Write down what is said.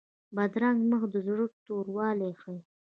بدرنګه مخ د زړه توروالی ښيي